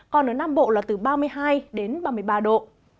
còn ở nam bộ là từ ba mươi hai đến ba mươi ba độ